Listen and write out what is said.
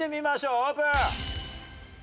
オープン！